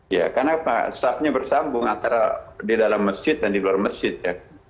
ya kenapa safnya bersambung antara di dalam masjid dan di luar masjid ya